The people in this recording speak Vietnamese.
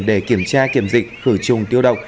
để kiểm tra kiểm dịch khử trùng tiêu độc